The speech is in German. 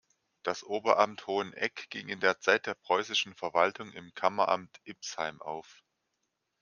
Das Oberamt Hoheneck ging in der Zeit der preußischen Verwaltung im Kammeramt Ipsheim auf.